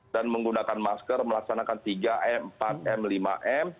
dan menggunakan masker melaksanakan tiga m empat m lima m